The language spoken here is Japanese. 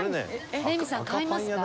レミさん買いますか？